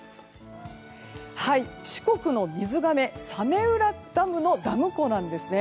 四国の水がめ早明浦ダムのダム湖なんですね。